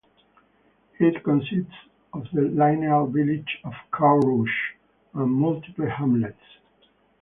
It consists of the linear village of Carrouge and multiple hamlets.